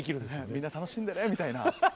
「みんな楽しんでね」みたいな。